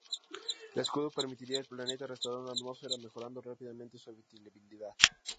El escudo permitiría al planeta restaurar su atmósfera, mejorando rápidamente su habitabilidad.